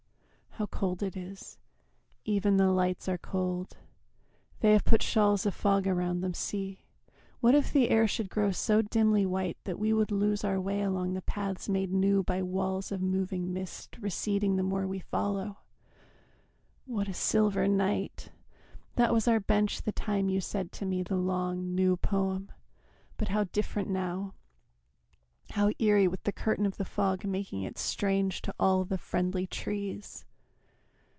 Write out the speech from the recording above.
... How cold it is! Even the lights are cold; They have put shawls of fog around them, see! What if the air should grow so dimly white That we would lose our way along the paths Made new by walls of moving mist receding The more we follow. ... What a silver night! That was our bench the time you said to me The long new poem but how different now, How eerie with the curtain of the fog Making it strange to all the friendly trees!